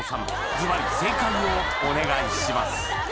ズバリ正解をお願いします